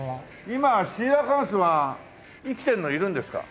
今シーラカンスは生きてるのいるんですか？